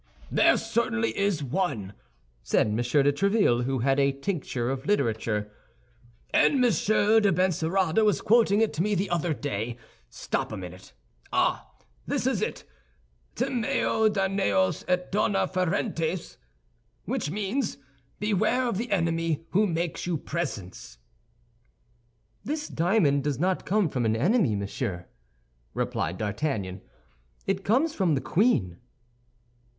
"There certainly is one," said M. de Tréville, who had a tincture of literature, "and Monsieur de Benserade was quoting it to me the other day. Stop a minute—ah, this is it: 'Timeo Danaos et dona ferentes,' which means, 'Beware of the enemy who makes you presents." "This diamond does not come from an enemy, monsieur," replied D'Artagnan, "it comes from the queen."